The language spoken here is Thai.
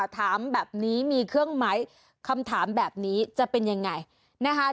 ถามแบบนี้มีเครื่องไหมคำถามแบบนี้จะเป็นยังไงนะคะ